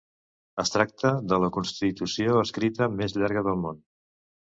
Es tracta de la constitució escrita més llarga del món.